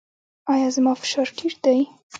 ایا زما فشار ټیټ دی؟